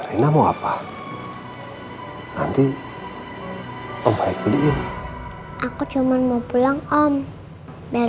enak gak makan ya